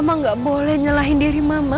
mama gak boleh nyalahin diri mama